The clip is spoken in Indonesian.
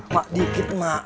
mak dikit mak